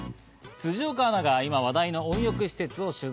辻岡アナが今話題の温浴施設を取材。